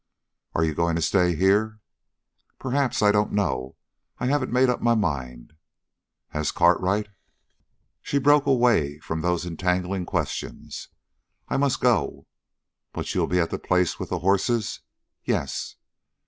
"Are you going to stay here?" "Perhaps! I don't know I haven't made up my mind." "Has Cartwright " She broke away from those entangling questions. "I must go." "But you'll be at the place with the horses?" "Yes."